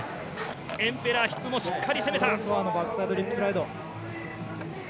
エンペラーリップもしっかり攻めた。